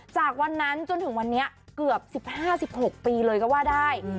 จากวันนั้นจนถึงวันนี้เกือบ๑๕๑๖ปีเลยก็ว่าได้